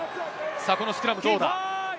このスクラム、どうだ？